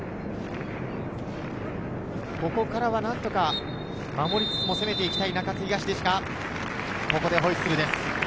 ここからは何とか守りつつも、攻めて行きたい中津東ですが、ここでホイッスルです。